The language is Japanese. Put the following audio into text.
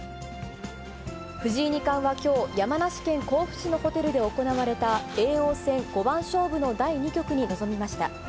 藤井二冠はきょう、山梨県甲府市のホテルで行われた叡王戦五番勝負の第２局に臨みました。